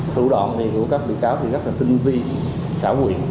thủ đoạn của các bị cáo thì rất là tinh vi xã quyền